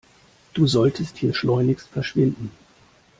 Du solltest hier schleunigst verschwinden.